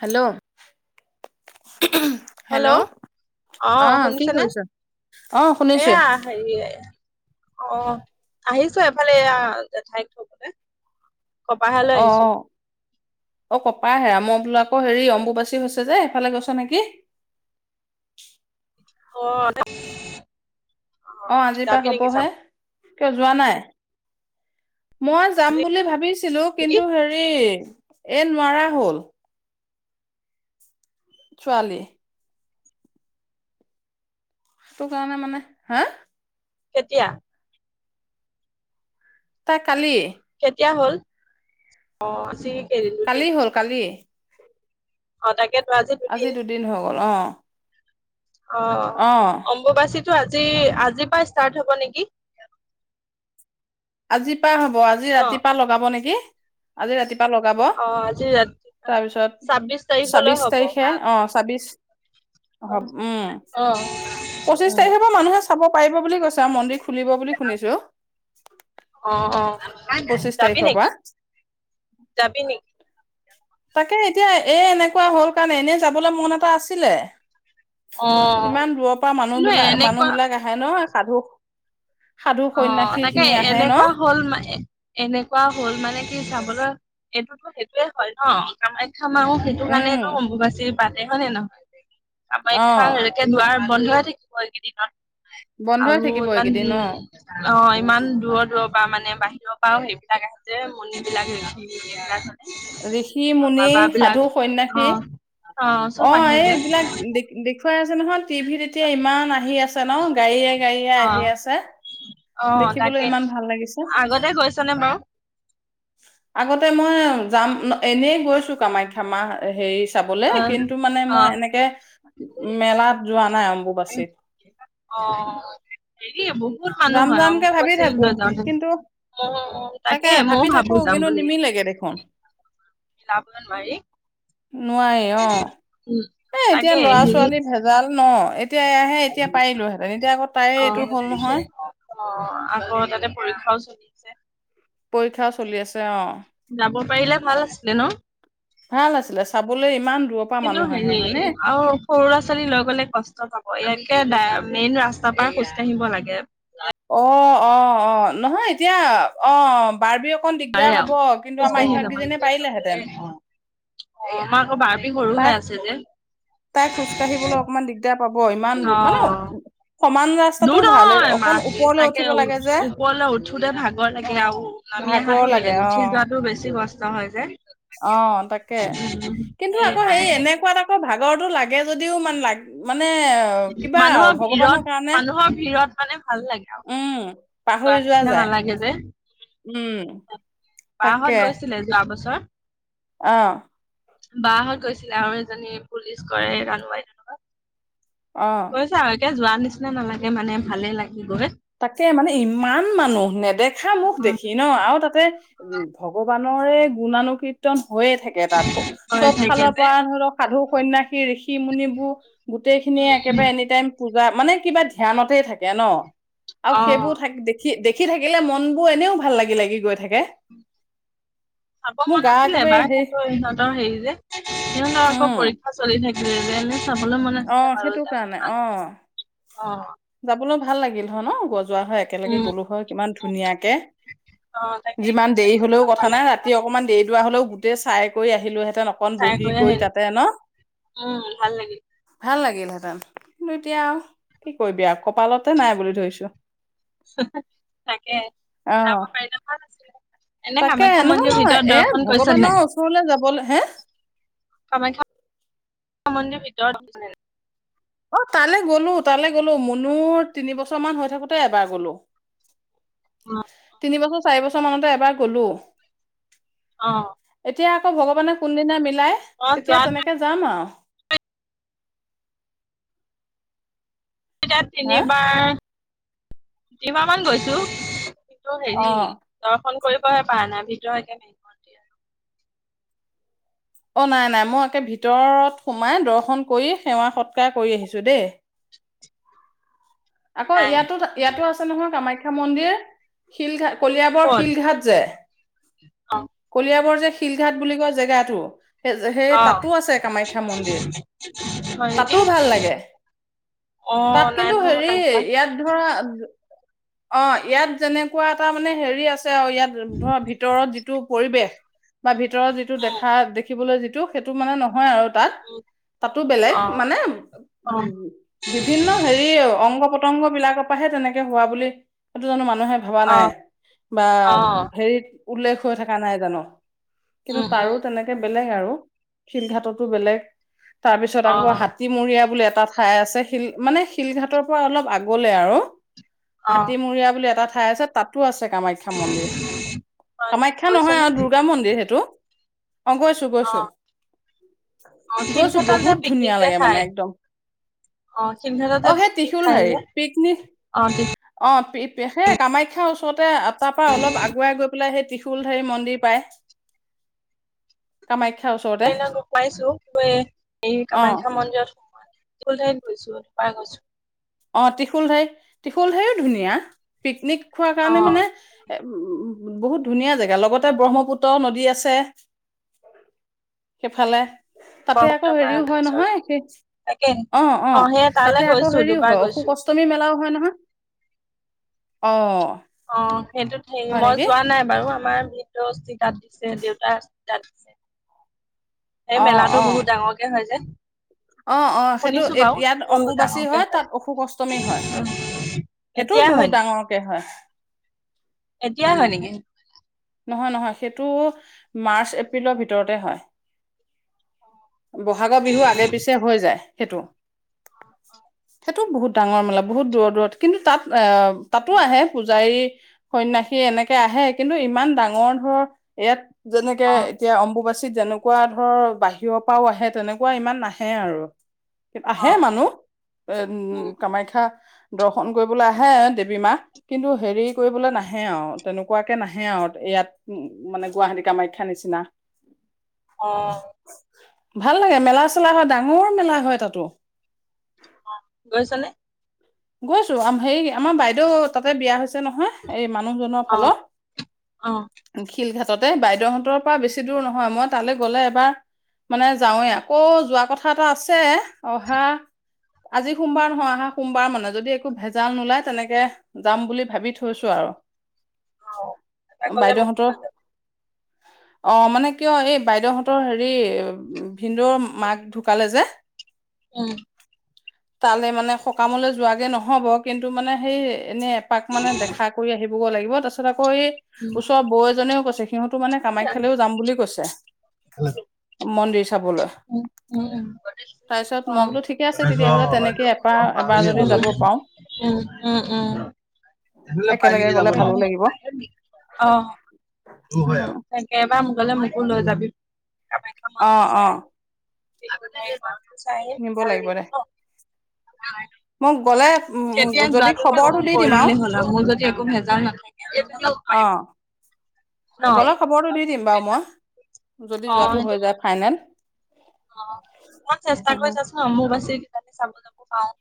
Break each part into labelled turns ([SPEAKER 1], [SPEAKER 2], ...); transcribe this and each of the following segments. [SPEAKER 1] Hello.
[SPEAKER 2] Hello
[SPEAKER 1] অ
[SPEAKER 2] অহ
[SPEAKER 1] কি
[SPEAKER 2] শুনিছেনে
[SPEAKER 1] কৰিছ অ শুনিছো
[SPEAKER 2] এয়া হেৰি অ। আহিছ এফালে জেঠাই ঘৰৰফালে। কপাহাহ লৈ
[SPEAKER 1] অ
[SPEAKER 2] আহিছোঁ।
[SPEAKER 1] অ কপা হেৰা মই বোলো আকৌ হেৰি অম্বুবাচী হৈছে যে এইফালে গৈছ নেকি।
[SPEAKER 2] অ। [unintelligible]
[SPEAKER 1] অ আজিৰ পৰা
[SPEAKER 2] যাবি নেকি
[SPEAKER 1] হ'বহে।
[SPEAKER 2] চাব
[SPEAKER 1] কিয় যোৱা নাই। মই
[SPEAKER 2] আজি
[SPEAKER 1] যাম বুলি ভাবিছিলোঁ
[SPEAKER 2] নেকি
[SPEAKER 1] কিন্তু হেৰি। এ নোৱাৰা হ'ল। ছোৱালী। সেইটো কাৰণে মানে হা
[SPEAKER 2] কেতিয়া?
[SPEAKER 1] তাই কালি
[SPEAKER 2] কেতিয়া হ'ল অ আজি কেইদিন দুদিন
[SPEAKER 1] কালি হ'ল কালি।
[SPEAKER 2] অ তাকে
[SPEAKER 1] আজি দুদিন হৈ গ'ল অঁ।
[SPEAKER 2] অঁ অম্বুবাচীত। আজি আজিৰ পৰা ষ্টাৰ্ট হব নেকি?
[SPEAKER 1] আজিৰ পা হ'ব। আজি
[SPEAKER 2] ন
[SPEAKER 1] ৰাতিপা লগাব নেকি? আজি ৰাতিপুৱা লগাব
[SPEAKER 2] অ আজি ৰাতি
[SPEAKER 1] তাৰপিছত
[SPEAKER 2] ছাব্বিশ তাৰিখলৈ
[SPEAKER 1] ছাব্বিশ
[SPEAKER 2] হব
[SPEAKER 1] তাৰিখে অ ছাব্বিশ হ উম
[SPEAKER 2] উম
[SPEAKER 1] পঁচিশ তাৰিখৰ পৰা মানুহে চাব পাৰিব বুলি কৈছে আৰু মন্দিৰ খুলিব বুলি শুনিছো।
[SPEAKER 2] অঁ, অঁ
[SPEAKER 1] পঁচিশ
[SPEAKER 2] যাবি
[SPEAKER 1] তাৰিখৰ পৰা
[SPEAKER 2] নেকি যাবি নেকি?
[SPEAKER 1] তাকে এতিয়া এ এনেকুৱা হ'ল কাৰণে এনে যাবলৈ মন এটা আছিলে
[SPEAKER 2] অ
[SPEAKER 1] ইমান দূৰৰ পৰা মানুহ
[SPEAKER 2] কিন্তু
[SPEAKER 1] বিলাক মানুহ
[SPEAKER 2] এনেকুৱা
[SPEAKER 1] বিলাক আহে ন। [unintelligible]
[SPEAKER 2] অঁ
[SPEAKER 1] সন্যাসী
[SPEAKER 2] তাকে
[SPEAKER 1] খিনি আহে ন
[SPEAKER 2] এনেকুৱা হল ম এনেকুৱা হ'ল মানে কি চাম মানে এইটোতো সেইটোয়ে হয় ন কাম [unintelligible] সেইটো
[SPEAKER 1] উম
[SPEAKER 2] কাৰণেতটো অম্বুবাচী পাতে হয় নে নহয়।
[SPEAKER 1] অ
[SPEAKER 2] কামাখ্যা এতিয়া দুৱাৰ বন্ধ থাকিব এইকেইদিনত।
[SPEAKER 1] বন্ধই থাকিব এইকেইদিন অঁ।
[SPEAKER 2] অঁ ইমান দূৰৰ দূৰৰ পৰা মানে বাহিৰৰ পৰাও সেইবিলাক আহি যে মুনি বিলাক ৰিখি বিলাক তাৰপিছত
[SPEAKER 1] ঋষি মুনি সাধু
[SPEAKER 2] অ
[SPEAKER 1] সন্যাসী
[SPEAKER 2] অ চব
[SPEAKER 1] অঁ
[SPEAKER 2] আহে যে
[SPEAKER 1] এইবিলাক দেখুৱাই আছে। [unintelligible] টিভিত এতিয়া ইমান আহি আছে। ন গাড়ীয়ে গাড়ীয়ে
[SPEAKER 2] অ
[SPEAKER 1] আহি আছে
[SPEAKER 2] অ
[SPEAKER 1] দেখিবলৈ
[SPEAKER 2] তাকে
[SPEAKER 1] ইমান ভাল লাগিছে।
[SPEAKER 2] আগতে গৈছনে বাৰু
[SPEAKER 1] আগতে মই যাম এনেই গৈছো কামাখ্যামা হেৰি চাবলে কিন্তু মানে
[SPEAKER 2] অ
[SPEAKER 1] মই এনেকে মেলাত যোৱা নাই
[SPEAKER 2] অ
[SPEAKER 1] অম্বুবাচীত।
[SPEAKER 2] অ', হেৰি বহুত মানুহ
[SPEAKER 1] যাম
[SPEAKER 2] হয়
[SPEAKER 1] যামকে ভাবি
[SPEAKER 2] অম্বুবাচীত
[SPEAKER 1] থাকো
[SPEAKER 2] যাওঁতে
[SPEAKER 1] কিন্তু
[SPEAKER 2] ম তাকে ময়ও
[SPEAKER 1] ভাবি থাকো
[SPEAKER 2] ভাবো যাম
[SPEAKER 1] কিন্তু
[SPEAKER 2] বুলি
[SPEAKER 1] নিমিলেগে দেখোন
[SPEAKER 2] মিলাব নোৱাৰি।
[SPEAKER 1] নোৱাৰি
[SPEAKER 2] উম।
[SPEAKER 1] অ। এ এতিয়া
[SPEAKER 2] তাকে
[SPEAKER 1] লৰা
[SPEAKER 2] হেৰি
[SPEAKER 1] ছোৱালী ভেজাল ন এতিয়া এ আহে এতিয়া পাৰিলো হেতেন এতিয়া আকৌ তাই
[SPEAKER 2] অ',
[SPEAKER 1] এইটো হল নহয়।
[SPEAKER 2] ছে।
[SPEAKER 1] পৰীক্ষাও চলি আছে অ।
[SPEAKER 2] যাব পাৰিলে ভাল আছিলে ন।
[SPEAKER 1] ভাল আছিলে চাবলৈ ইমান দূৰৰ পৰা
[SPEAKER 2] কিন্তু
[SPEAKER 1] মানুহ আহে
[SPEAKER 2] হেৰি
[SPEAKER 1] হয়নে
[SPEAKER 2] আৰু সৰু ল'ৰা ছোৱালী লৈ গলে কষ্ট পাব। ইয়াকে মেইন ৰাস্তাৰ পা খোজ কাঢ়িব লাগে।
[SPEAKER 1] অ অ অ নহয় এতিয়া অ বাৰ্বি অকণ দিগদাৰ হব কিন্তু আমাৰ ইহঁত কেইজনীয়ে পাৰিলেহেঁতেন
[SPEAKER 2] [unintelligible] সৰুহৈ
[SPEAKER 1] তাই
[SPEAKER 2] আছে যে।
[SPEAKER 1] তাই খোজ কাঢ়িবলৈ অকণমান দিগদাৰ পাব ইমান দূৰ মানে
[SPEAKER 2] অ'।
[SPEAKER 1] সমান ৰাস্তাটো
[SPEAKER 2] দূৰ
[SPEAKER 1] ভাল
[SPEAKER 2] নহয়
[SPEAKER 1] অকন
[SPEAKER 2] মাক
[SPEAKER 1] ওপৰলৈ উঠিব
[SPEAKER 2] দেতাকে
[SPEAKER 1] লাগে যে
[SPEAKER 2] ওপৰলৈ উঠিবলৈ ভাগৰ লাগে আৰু নামি
[SPEAKER 1] ভাগৰ
[SPEAKER 2] অহাতটো
[SPEAKER 1] লাগে
[SPEAKER 2] বেলেগ
[SPEAKER 1] অ
[SPEAKER 2] উঠি যোৱাটো বেছি কষ্ট। নহয় যে।
[SPEAKER 1] অ তাকে কিন্তু আকৌ সেই
[SPEAKER 2] সেইকাৰণে
[SPEAKER 1] এনেকুৱাত আকৌ ভাগ গৰটো লাগে যদিও মান মানে কিবা
[SPEAKER 2] মানুহৰ
[SPEAKER 1] ভগৱানৰ
[SPEAKER 2] ভিৰত
[SPEAKER 1] কাৰণে
[SPEAKER 2] মানুহৰ ভিৰত মানে ভাল লাগে আৰু।
[SPEAKER 1] উম পাহৰি
[SPEAKER 2] যোৱা নিচিনা
[SPEAKER 1] যায়
[SPEAKER 2] নালাগে যে
[SPEAKER 1] উম তাকে
[SPEAKER 2] বহুত গৈছিলে যোৱা বছৰ।
[SPEAKER 1] অ।
[SPEAKER 2] বা হত গৈছিলে আৰু এজনী পুলিচ কৰে ৰানুৱাই ধনোবা।
[SPEAKER 1] অ
[SPEAKER 2] গৈছা আৰু একে যোৱা নিচি নিচিনা নালাগে মানে ভালে লাগে। গৈ
[SPEAKER 1] তাকে মানে ইমান মানুহ নেদেখা মুখ
[SPEAKER 2] অ
[SPEAKER 1] দেখি ন আৰু তাক [unintelligible] উম ভগৱান ৰে গুণানুকীৰ্তন হৈয়ে থাকে তাত
[SPEAKER 2] কৰে
[SPEAKER 1] চব
[SPEAKER 2] থাকে
[SPEAKER 1] ফালৰ
[SPEAKER 2] যে
[SPEAKER 1] পৰা ধৰি লওক সাধু সন্যাসী ঋষি মুনিবোৰ গোটেইখিনিয়ে
[SPEAKER 2] উম উম
[SPEAKER 1] একেবাৰে এনি টাইম পূজা মানে কিবা ধ্যানতে থাকে ন। আৰু
[SPEAKER 2] অ
[SPEAKER 1] সেইবোৰ থাক দেখি দেখি থাকিলে মন বোৰ এনেও ভাল লাগিল লাগি গৈ থাকে।
[SPEAKER 2] খাব
[SPEAKER 1] মোৰ
[SPEAKER 2] মন
[SPEAKER 1] গা
[SPEAKER 2] আাছিলে
[SPEAKER 1] একেবাৰে
[SPEAKER 2] এবাৰ
[SPEAKER 1] হেৰি
[SPEAKER 2] সো সিহঁতৰ হেৰি যে সিহঁতৰ আকৌ পৰীক্ষা চলি থাকে। [unintelligible]
[SPEAKER 1] অঁ, সেইটো কাৰণে অঁ,
[SPEAKER 2] অ',
[SPEAKER 1] যাবলৈ ভাল লাগিল হয় ন গছ যোৱা হয় একেলগে
[SPEAKER 2] উম,
[SPEAKER 1] গ'লো হয় কিমান
[SPEAKER 2] উম,
[SPEAKER 1] ধুনীয়াকে।
[SPEAKER 2] অ', তাকে
[SPEAKER 1] যিমান দেৰি হলেও কথা নাই ৰাতি অকমান দেৰি দোৱা হ'লেও গোটেই চাই কৰি আহিলো হেতে ন, অকণমান
[SPEAKER 2] চাই
[SPEAKER 1] বহি কৰি
[SPEAKER 2] আহিলো
[SPEAKER 1] তাতে ন?
[SPEAKER 2] উম, ভাল লাগিল
[SPEAKER 1] ভাল লাগিল হেঁতেন। কিন্তু এতিয়া কি কৰিবি আৰু, কপালতে নাই বুলি ধৰিছো।
[SPEAKER 2] তাকে
[SPEAKER 1] অ
[SPEAKER 2] মিলাব পাৰিলে ভাল আছিলে। এনে
[SPEAKER 1] তাকে,
[SPEAKER 2] কামাখ্যা
[SPEAKER 1] নহয়
[SPEAKER 2] মন্দিৰৰ
[SPEAKER 1] নহয়,
[SPEAKER 2] ভিতৰত
[SPEAKER 1] এ
[SPEAKER 2] দৰ্শন কৰিছে নাই?
[SPEAKER 1] ভগৱানৰ ওচৰলে যাবলৈ হে?
[SPEAKER 2] কামাখ্যা, মন্দিৰ ভিতৰত [unintelligible]
[SPEAKER 1] অঁ, তালৈ গ'লো, তালৈ গলো। মুনুৰ তিনিবছৰ মান হৈ থাকোতে এবাৰ গ'লো।
[SPEAKER 2] অ',
[SPEAKER 1] তিনি বছৰ চা চাৰি বছৰ মানতে এবাৰ গ'লো
[SPEAKER 2] অ'
[SPEAKER 1] এতিয়া আকৌ ভগৱানে কোনদিনা মিল লায়,
[SPEAKER 2] অ',
[SPEAKER 1] তেতিয়া
[SPEAKER 2] যোৱাটো
[SPEAKER 1] তেনেকে যাম আৰু।
[SPEAKER 2] তেতিয়া
[SPEAKER 1] হা
[SPEAKER 2] তিনিবাৰ [unintelligible] মান গৈছোঁ অ'
[SPEAKER 1] অ
[SPEAKER 2] হেৰি দৰ্শন কৰিবহে পাৰা নাই। ভিতৰ একে [unintelligible]
[SPEAKER 1] অ'নাই, নাই, মই একে ভিতৰত সোমাই দৰ্শন কৰি সেৱা সৎকাৰ কৰি আহিছোঁ দেই। আকৌ
[SPEAKER 2] নাই
[SPEAKER 1] ইয়াতো, ইয়াতো আছে নহয় কামাখ খ্যা মন্দিৰ, শিলঘাট
[SPEAKER 2] ক'ত
[SPEAKER 1] কলিয়াবৰ শিলঘাট যে,
[SPEAKER 2] অ'।
[SPEAKER 1] কলিয়াবৰ যে শিলঘাট বুলি কোৱা জেগাটো সে- সেই
[SPEAKER 2] অ
[SPEAKER 1] তাতো আছে কামাখ্যা মন্দিৰ।
[SPEAKER 2] হয়
[SPEAKER 1] তাতো
[SPEAKER 2] নেকি
[SPEAKER 1] ভাল লাগে,
[SPEAKER 2] অ
[SPEAKER 1] তাত
[SPEAKER 2] নাই
[SPEAKER 1] কিন্তু
[SPEAKER 2] নহয়
[SPEAKER 1] হেৰ
[SPEAKER 2] মই
[SPEAKER 1] ই,
[SPEAKER 2] তাত যোৱা
[SPEAKER 1] ইয়াত ধৰা অ', ইয়াত যেনেকুৱা এটা মানে হেৰি আছ চে আও ইয়াত ধৰ ভিতৰত যিটো পৰিৱেশ বা ভিত তলৰ যিটো
[SPEAKER 2] উম
[SPEAKER 1] দেখা দেখিবলৈ যিট টো, সেইটো মানে নহয় আৰু তাত,
[SPEAKER 2] উম
[SPEAKER 1] তাতো বেলেগ,
[SPEAKER 2] অ
[SPEAKER 1] মানে
[SPEAKER 2] অ
[SPEAKER 1] বিভিন্ন হেৰী অংগ পতংগবিলাকৰ পৰা হে তেনেকে হোৱা বুলি সেইটো জানো মান নুহে ভবা
[SPEAKER 2] অ
[SPEAKER 1] নাই। বা
[SPEAKER 2] অ
[SPEAKER 1] হেৰিত উল্লেখ হৈ থকা নাই জানো কিন্তু
[SPEAKER 2] উম
[SPEAKER 1] তাৰো
[SPEAKER 2] উম
[SPEAKER 1] তেনেকে বেলেগ আৰু, শিলঘাটতো বেলেগ। তাৰপিছত
[SPEAKER 2] অ
[SPEAKER 1] আকৌ হাতীমূৰীয়া বুলি এট টা ঠাই আছে, শিল মানে শিলঘাটৰ পৰা অলপ আগলৈ আৰু
[SPEAKER 2] অ
[SPEAKER 1] হাতীমূৰিয়া বুলি এটা ঠাই আছে, তাতো আছে। কামাখ্যা মন্দিৰ।
[SPEAKER 2] হয় নেকি
[SPEAKER 1] কামাখ্যা
[SPEAKER 2] গৈছ
[SPEAKER 1] নহয়
[SPEAKER 2] নে
[SPEAKER 1] আৰু দূৰ্গা মন্দিৰ সেইটো। অ', গৈছো,
[SPEAKER 2] অ
[SPEAKER 1] গৈছো,
[SPEAKER 2] অ
[SPEAKER 1] গৈছো
[SPEAKER 2] শিলঘাটত যে
[SPEAKER 1] বহুত
[SPEAKER 2] পিকনিক
[SPEAKER 1] ধুনীয়া
[SPEAKER 2] যে
[SPEAKER 1] লাগে মানে
[SPEAKER 2] খাই
[SPEAKER 1] একদম,
[SPEAKER 2] অ শিলঘাটত যে
[SPEAKER 1] অ', সেই
[SPEAKER 2] পিকনিক খাই
[SPEAKER 1] ত্ৰিশূলধাৰি,
[SPEAKER 2] যে
[SPEAKER 1] পিকনিক,
[SPEAKER 2] অ
[SPEAKER 1] অ' পি পি, সেই কামাখ্যাৰ ওচৰতে তাৰ পৰা অলপ আগুৱাই গৈ পেলাই সেই ত্ৰিশুল ধাৰী মন্দিৰ পায়। কামা
[SPEAKER 2] [unintelligible] গৈ পাইছোঁ, এই
[SPEAKER 1] অ
[SPEAKER 2] কামাখ্যা মন্দিৰত সোমোৱা নাই। [unintelligible] গৈছো, দুবাৰ গৈছো।
[SPEAKER 1] অ', ত্ৰিশূলধাৰী, ত্ৰিশূলধাৰীয়ো ধুনীয়া পিকনিক খোৱাৰ
[SPEAKER 2] অ
[SPEAKER 1] কাৰণে মানে বহুত ধুনীয়া দেখা। লগত তে ব্ৰহ্মপুত্ৰ নদী আছে, সেইফালে। তাতে
[SPEAKER 2] ব্ৰহ্মপুত্ৰ
[SPEAKER 1] আকৌ হেৰিও
[SPEAKER 2] পাৰত
[SPEAKER 1] হয়
[SPEAKER 2] তাৰপিছত
[SPEAKER 1] নহয়,
[SPEAKER 2] তাকে
[SPEAKER 1] অ, অ,
[SPEAKER 2] সেই তালৈ
[SPEAKER 1] তাতে আকৌ
[SPEAKER 2] গৈছো
[SPEAKER 1] হেৰিও
[SPEAKER 2] দুবাৰ
[SPEAKER 1] হয়, অশোক
[SPEAKER 2] গৈছো
[SPEAKER 1] অষ্টমী মেলাও হয় নহয় অ'
[SPEAKER 2] অ' সেইটোত হেৰি,
[SPEAKER 1] হয়
[SPEAKER 2] মই
[SPEAKER 1] নেকি
[SPEAKER 2] যোৱা নাই বাৰু, আমাৰ [unintelligible] অস্হি তাত দিছে, দেউতাৰ অস্হি তাত দিছে এই
[SPEAKER 1] অ অ
[SPEAKER 2] মেলাটো বহুত ডাঙৰকে হয় যে
[SPEAKER 1] অ', অ', সেইটো
[SPEAKER 2] শুনিছো বাৰু
[SPEAKER 1] ইয়াত
[SPEAKER 2] কিন্তু
[SPEAKER 1] অম্বুবাচী
[SPEAKER 2] ডাঙৰকে
[SPEAKER 1] হয়, তাত অশোক অষ্টমী হয়। সেইটোও
[SPEAKER 2] এতিয়াই
[SPEAKER 1] বহুত ডাঙৰকে হয়।
[SPEAKER 2] এতিয়া হয়
[SPEAKER 1] মানে
[SPEAKER 2] নেকি?
[SPEAKER 1] নহয়, নহয়, সেইটো মাৰ্চ-এপ্ৰিলৰ ভিতৰতে হয়। বহাগৰ বিহু আগে পিছে হৈ যায়। সেইটো। সেইটোও বহুত ডাঙৰ মেলা, বহুত দূৰ দূৰত, কিন্তু তাত এ তাতো আহে, পূজাৰী সন্যাসী এনেকে আহে, কিন্তু ইমান ডাঙৰ ধৰ ইয়াত যেনেকে
[SPEAKER 2] অ
[SPEAKER 1] এতিয়া অম্বুবাছ চীনত যেনেকুৱা ধৰ বাহিৰৰ পাও আহে, তেনেকুৱা ইমান নাহে আৰু।
[SPEAKER 2] অ
[SPEAKER 1] আহে মানুহ, এ উ কামাখ্যা দৰ্শন কৰিবলৈ আহে দেৱী মা, কিন্তু হেৰি কৰিবলৈ নাহে আৰু, তেনেকুৱাকে নাহে আও। এয়াত উ মানে গুৱাহাটী কামাখ্যা নিচিনা।
[SPEAKER 2] অ'
[SPEAKER 1] ভাল লাগে, মেলা চেলা হয়, ডাঙৰ মেলা হয় তাতো।
[SPEAKER 2] গৈছা নে?
[SPEAKER 1] গৈছো, হেই, আমাৰ বাইদেউ তাতে বিয়া হৈছে এ নহয়, এই মানুহজনৰ
[SPEAKER 2] অ
[SPEAKER 1] ফালৰ।
[SPEAKER 2] অ
[SPEAKER 1] শিলঘাট তাতে, বাইদেউহঁত তৰ পৰা বেছি দূৰ নহয়, মই তালে গ'লে এবাৰ মানে যাওঁৱে। আকৌ যোৱা কথা এটা আছে অহা আজি সোমবাৰ নহয়, আহা সোমবাৰ মানে যদি একো ভেঁজাল নোলায়, তেনেকে যাম বুলি ভাবি থৈছো আৰু।
[SPEAKER 2] অ এবাৰ গলে মোকো
[SPEAKER 1] বাইদেউহঁতৰ
[SPEAKER 2] লৈ যাবি
[SPEAKER 1] অ', মানে কিয় এই বাইদেউহঁতৰ হেৰি ভিনদৌৰ মাক ঢুকালে যে
[SPEAKER 2] উম
[SPEAKER 1] তালে মানে সকামলৈ যোৱাগে নহ'ব, কিন্তু মানে সেই এনে এপাক মানে দেখা কৰি আহি বগৈ লাগিব, তাৰছত আ কৌ এই,
[SPEAKER 2] উম।
[SPEAKER 1] ওচৰৰ বৌ এজনীয়েও কৈছে সিহঁতো মানে
[SPEAKER 2] উম
[SPEAKER 1] কামাখ্যালৈও যাম বুলি কৈছে,
[SPEAKER 2] উম উম অ।
[SPEAKER 1] মন্দিৰ চাবলৈ।
[SPEAKER 2] উম উম উম
[SPEAKER 1] তাৰছত মই বোলো ঠিকে আছে তেতিয়া হলে, তেনেকে এপাৰ এবাৰ যদি
[SPEAKER 2] [inaudible]
[SPEAKER 1] যাব পাৰো
[SPEAKER 2] তাকে,
[SPEAKER 1] একেলগে গ'লে ভালো লাগিব
[SPEAKER 2] এবাৰ মো গ'লে মোকো লৈ যাবি কামাখ্যা
[SPEAKER 1] অ
[SPEAKER 2] মন্দিও
[SPEAKER 1] অ
[SPEAKER 2] চাই আহিম [inaudible] [unintelligible]
[SPEAKER 1] নিব লাগিব দে মোক গ'লে উম
[SPEAKER 2] কেতিয়া
[SPEAKER 1] যদি
[SPEAKER 2] যোৱাটো হব
[SPEAKER 1] খবৰটো
[SPEAKER 2] মোক
[SPEAKER 1] দি
[SPEAKER 2] কৈ
[SPEAKER 1] দিম
[SPEAKER 2] দিলে হ'ল আৰু, মোৰ যদি একো ভেজাল নাথাকে [unintelligible]
[SPEAKER 1] অ গ'লে খবৰটো দি দিম বাৰু মই। যদি
[SPEAKER 2] অ
[SPEAKER 1] যোৱাটো
[SPEAKER 2] সেইটো
[SPEAKER 1] হৈ যায় ফাইনেল।
[SPEAKER 2] অ', অকন চেষ্টা কৰিছাচোন মোক বাচি কিবি চাব যাব পাওঁ। [inaudible]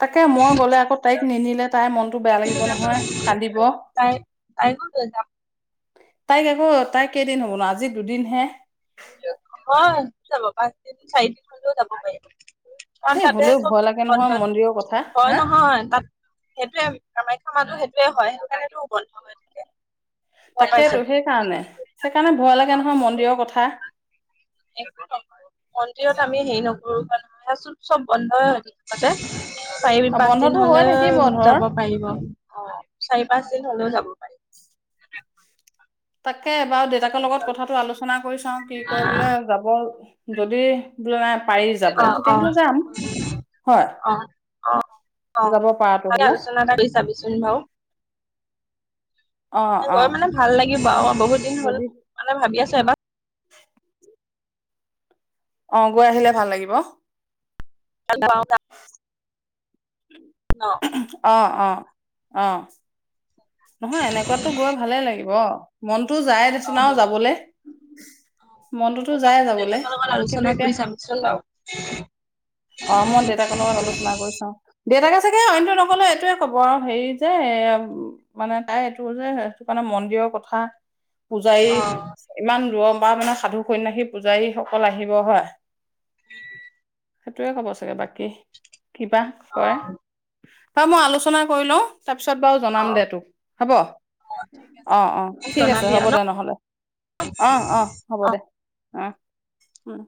[SPEAKER 1] তাকে মই গ'লে আকৌ তাইক নিনিলে তাইৰ মন টো বেয়া লাগিব নহয়, কান্দিব।
[SPEAKER 2] তাই তাইকো লৈ যাম
[SPEAKER 1] তাইক আকৌ, তাই কেইদিন হ'ল আজি দুদিনহে।
[SPEAKER 2] হয় যাব পাঁচদিন চাৰিদিন হ'হলেও যাব পাৰিব। কাৰণ
[SPEAKER 1] এই
[SPEAKER 2] তাতে
[SPEAKER 1] হ'লেও
[SPEAKER 2] চব
[SPEAKER 1] ভয় লাগে নহয়
[SPEAKER 2] বন্ধ,
[SPEAKER 1] মন্দিৰৰ কথা হা
[SPEAKER 2] হয় নহয় তাত সেইটোৱে কামাখ্যা মানে সেই সেইটোৱে হয়, সেইকাৰণেতো বন্ধ হৈ থাকে। গম পাইছো।
[SPEAKER 1] তাকেইতো সেইকাৰণে, সেইকাৰণে ভয় লাগে
[SPEAKER 2] অ',
[SPEAKER 1] নহয় মন্দিৰৰ কথা।
[SPEAKER 2] মন্দিৰত আমি হেৰি নকৰ গৰু নহয় চোন চব বন্ধই হয় থাকিব যে। চাৰি,
[SPEAKER 1] অ',
[SPEAKER 2] পাঁচ দিন
[SPEAKER 1] বন্ধটো হৈ
[SPEAKER 2] হ'লে
[SPEAKER 1] থাকিব ধৰ
[SPEAKER 2] যাব পাৰিব, অ', চাৰি, পাঁচ হ'লেও যাব পাৰি।
[SPEAKER 1] তাকে বাৰু দেউতাকৰ লগত কথাটো আলোচনা কৰি চাওঁ কি কয় বোলে যাব যদি বোলে পাৰি যাব
[SPEAKER 2] অ', অ',
[SPEAKER 1] তেতিয়াহ'লে যাম হয়
[SPEAKER 2] অ', অ', অ',
[SPEAKER 1] যাব পাৰাটো
[SPEAKER 2] তাকে
[SPEAKER 1] হলে
[SPEAKER 2] আলোচনা কৰি চাবিচোন বাৰু।
[SPEAKER 1] অ অ
[SPEAKER 2] গৈ মানে ভাল লাগিব আৰু বহুত দিন হ'ল
[SPEAKER 1] যদি
[SPEAKER 2] মানে ভাবি আছ [unintelligible]
[SPEAKER 1] অ', গৈ আহিলে ভাল লাগিব।
[SPEAKER 2] [unintelligible] ন
[SPEAKER 1] অ', অ', অহ। নহয় এনেকুৱাতো গৈ ভালে লাগিব। মন যায় দেচোন আও
[SPEAKER 2] অ
[SPEAKER 1] যাবলৈ মনটোতো যায় যাবলে
[SPEAKER 2] দেউতাকৰ লগত
[SPEAKER 1] কিন্তু
[SPEAKER 2] আলোচনা
[SPEAKER 1] এতিয়া,
[SPEAKER 2] কৰি চাবিচোন বাৰু
[SPEAKER 1] অ', মই দেউতাকৰ লগত আলোচনা কৰিছোঁ, দেউতাকে চাগে অন্য নক'লে এইটৱে ক'ব আৰু হেৰি যে এয়া মানে তাই এইটো যে সেইটো কাৰণে মন্দিৰৰ কথা। পূজাৰী,
[SPEAKER 2] অ
[SPEAKER 1] ইমান ৰম বা মানে সাধু, সন্যাসী, পূজাৰীসকল আহিব হয়। সেইটোৱে ক'ব চাগে বাকী কিবা কয়।
[SPEAKER 2] অ
[SPEAKER 1] ত' মই আলোচনা কৰি লওঁ। তাৰপিছত বাৰু!
[SPEAKER 2] অ
[SPEAKER 1] জনাম দে তোক। হব,
[SPEAKER 2] অ ঠিক আছে
[SPEAKER 1] অ' অ'
[SPEAKER 2] মোক
[SPEAKER 1] ঠিক আছে
[SPEAKER 2] জনাবি
[SPEAKER 1] হব
[SPEAKER 2] আৰু ন
[SPEAKER 1] দে নহলে, অ' অ' হব দে। আহ, উম।